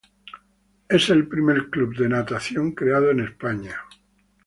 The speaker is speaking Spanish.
Es el primer club de natación creado en España.